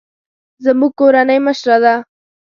زموږ کورنۍ مشره ده